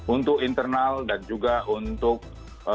untuk internal dan juga untuk